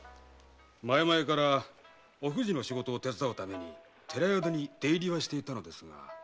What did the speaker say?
前々からお藤の仕事を手伝うために寺宿に出入りはしていたのですが。